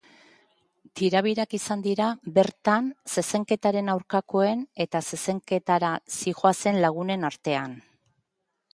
Tirabirak izan dira bertan zezenketen aurkakoen eta zezenketara zihoazen lagunen artean.